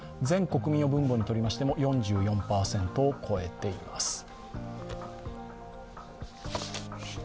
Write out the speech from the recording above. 全国民を分母にとりましても４４％を超えています。